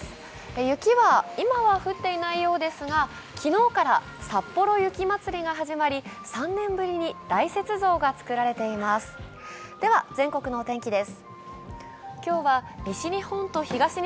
雪は今は降っていないようですが昨日からさっぽろ雪まつりが始まり３年ぶりに大雪像が造られています